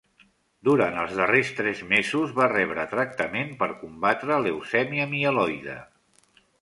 Durant els darrers tres mesos va rebre tractament per combatre leucèmia mieloide.